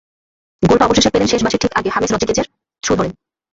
গোলটা অবশেষে পেলেন শেষ বাঁশির ঠিক আগে, হামেস রদ্রিগেজের থ্রু ধরে।